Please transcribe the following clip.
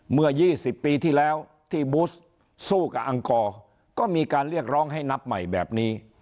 เมื่อ๒๐ปีที่แล้วที่บูสสู้กับอังกรก็มีการเรียกร้องให้นับใหม่แบบนี้